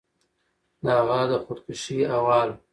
د هغه د خودکشي احوال